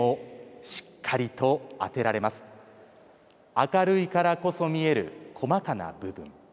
明るいからこそ見える細かな部分。